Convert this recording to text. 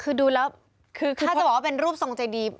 คือดูแล้วคือถ้าจะบอกว่าเป็นรูปทรงใจดี